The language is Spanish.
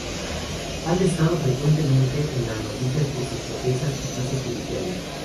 Han estado frecuentemente en las noticias por sus protestas y casos judiciales.